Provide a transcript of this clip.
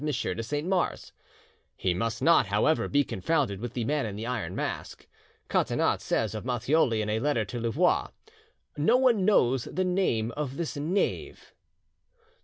de Saint Mars. He must not, however, be confounded with the Man in the Iron Mask. Catinat says of Matthioli in a letter to Louvois "No one knows the name of this knave."